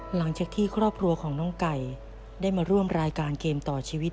หลังจากที่ครอบครัวของน้องไก่ได้มาร่วมรายการเกมต่อชีวิต